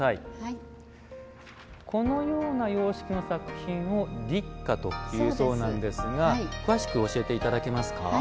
このような様式の作品を立花というそうなんですが詳しく教えていただけますか。